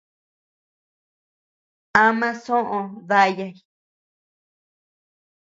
Ama soʼö dayay.